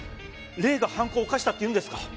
霊が犯行を犯したって言うんですか？